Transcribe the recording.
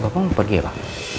bapak mau pergi ya pak